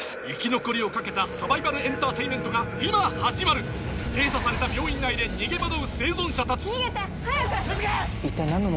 生き残りを懸けたサバイバルエンターテインメントが今始まる閉鎖された病院内で逃げ惑う生存者たち逃げて！